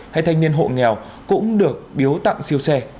hay thanh niên hộ nghèo cũng được biếu tặng siêu xe